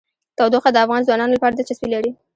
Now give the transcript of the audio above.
تودوخه د افغان ځوانانو لپاره دلچسپي لري.